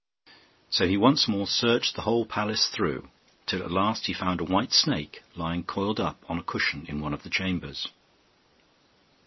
So he once more searched the whole palace through, till at last he found a white snake, lying coiled up on a cushion in one of the chambers.